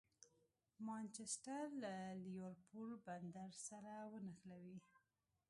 مانچسټر له لېورپول بندر سره ونښلوي.